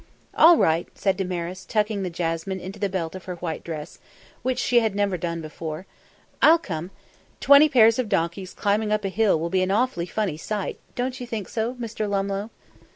"All right," said Damaris, tucking the jasmine into the belt of her white dress, which she had never done before. "I'll come. Twenty pairs of donkeys climbing up a hill will be an awfully funny sight, don't you think so, Mr. Lumlough?"